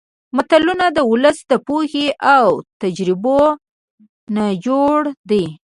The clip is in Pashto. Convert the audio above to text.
متلونه د ولس د پوهې او تجربو نچوړ دي